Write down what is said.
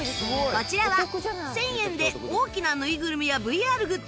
こちらは１０００円で大きなぬいぐるみや ＶＲ グッズ